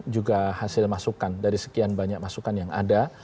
juga hasil masukan dari sekian banyak masukan yang ada